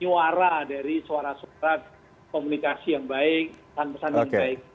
nyuara dari suara suara komunikasi yang baik pesan pesan yang baik